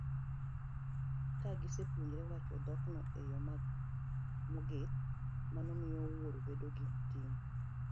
Ka gisepuonjore wacho dhokno e yo mong'ith, mano miyo wuoro bedo gi ting'